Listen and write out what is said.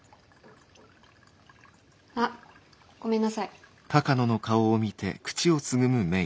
あっごめんなさい。